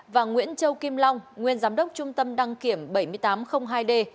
và nguyễn châu kim long nguyên giám đốc trung tâm đăng kiểm bảy nghìn tám trăm linh hai d